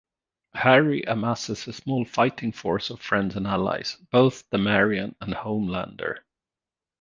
Harry amasses a small fighting force of friends and allies, both Damarian and Homelander.